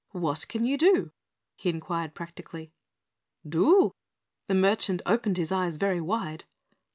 What can you do?" he inquired practically. "Do?" The merchant opened his eyes very wide.